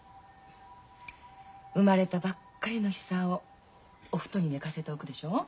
生まれたばっかりの久男お布団に寝かせておくでしょう。